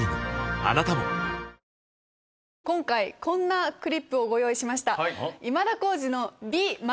あなたも今回こんなクリップをご用意しました。